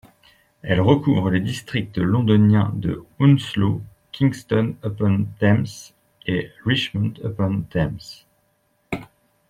Elle recouvre les districts londoniens de Hounslow, Kingston upon Thames et Richmond upon Thames.